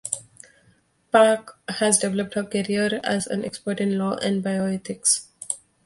Pak has developed her career as an expert in law and bioethics.